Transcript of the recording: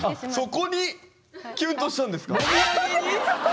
そこにキュンとしたんですか⁉そう。